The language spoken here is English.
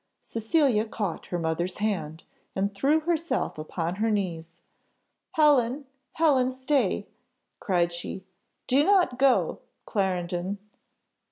Cecilia caught her mother's hand, and threw herself upon her knees. "Helen, Helen, stay!" cried she, "do not go, Clarendon!"